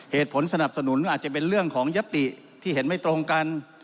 เหตุผลสนับสนุนก็อาจจะเป็นเรื่องของยศติที่เห็นไม่ตรงกัน